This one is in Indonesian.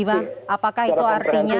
apakah itu artinya